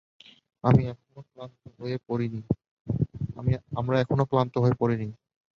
আমরা এখনও ক্লান্ত হয়ে পড়িনি।